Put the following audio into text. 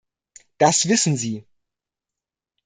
Das wissen Sie.